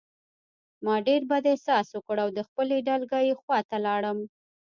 ما ډېر بد احساس وکړ او د خپلې ډلګۍ خواته لاړم